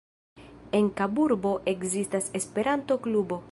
En Kaburbo ekzistas Esperanto-klubo.